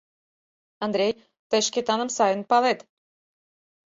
— Андрей, тый Шкетаным сайын палет.